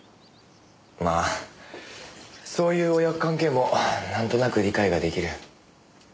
まあそういう親子関係もなんとなく理解が出来る。